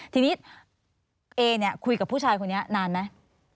ทีนี้เอเนี่ยคุยกับผู้ชายคนนี้นานไหม